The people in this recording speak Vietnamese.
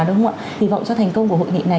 đúng không ạ kỳ vọng cho thành công của hội nghị này